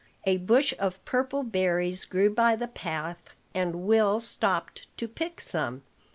A bush of purple berries grew by the path, and Will stopped to pick some.